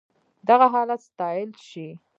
دغه حالت ستايل شي.